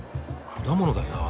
果物だよな。